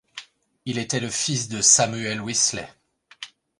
Il était le fils de Samuel Wesley.